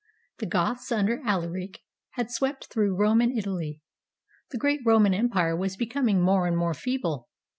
The Goths under Alaric had swept through Rome and Italy. The great Roman Empire was becoming more and more feeble.